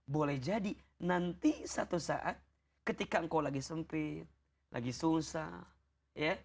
boleh jadi nanti satu saat ketika engkau lagi sempit lagi susah ya